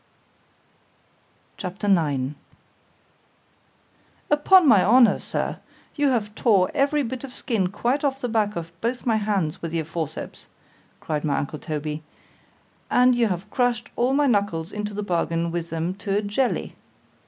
_" C H A P. IX —UPON my honour, Sir, you have tore every bit of skin quite off the back of both my hands with your forceps, cried my uncle Toby—and you have crush'd all my knuckles into the bargain with them to a jelly.